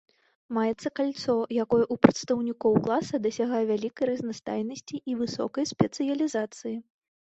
Маецца кальцо, якое ў прадстаўнікоў класа дасягае вялікай разнастайнасці і высокай спецыялізацыі.